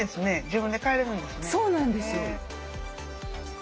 そうなんです。